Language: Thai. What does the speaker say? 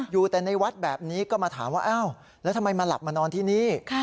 อยู่แต่ในวัดแบบนี้ก็มาถามว่าอ้าวแล้วทำไมมาหลับมานอนที่นี่